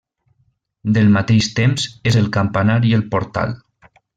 Del mateix temps és el campanar i el portal.